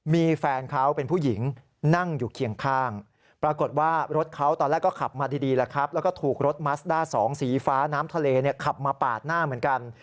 สีฟ้าน้ำทะเลเนี่ยขับมาปากหน้าเหมือนกัน